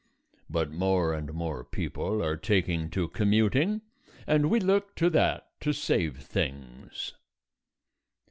But more and more people are taking to commuting and we look to that to save things.